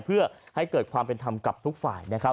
เพื่อให้เกิดความเป็นธรรมกับทุกฝ่ายนะครับ